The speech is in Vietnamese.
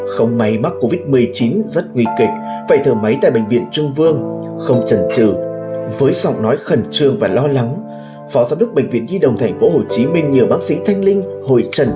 phó giám đốc bệnh viện nhi đồng tp hcm nhờ bác sĩ thanh linh hội trần